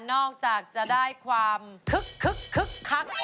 นอกจากจะได้ความคึกคัก